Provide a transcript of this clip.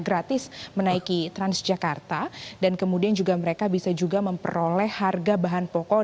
gratis menaiki transjakarta dan kemudian juga mereka bisa juga memperoleh harga bahan pokok